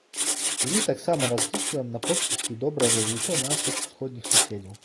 І мы таксама разлічваем на поспехі і добрае развіццё нашых усходніх суседзяў.